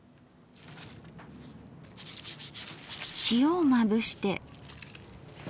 塩をまぶして。